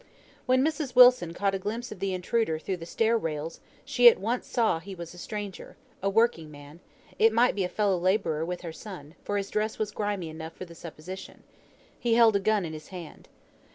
When Mrs. Wilson caught a glimpse of the intruder through the stair rails, she at once saw he was a stranger, a working man, it might be a fellow labourer with her son, for his dress was grimy enough for the supposition. He held a gun in his hand.